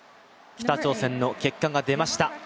北朝鮮の結果が出ました。